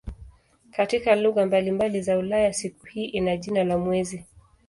Katika lugha mbalimbali za Ulaya siku hii ina jina la "mwezi".